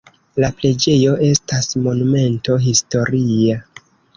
La preĝejo estas Monumento historia.